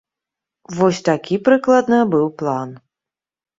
Вось такі прыкладна быў план.